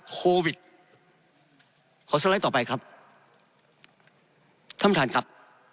โควิดขอสไลด์ต่อไปครับท่านประธานครับ